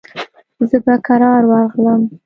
زه به کرار ورغلم.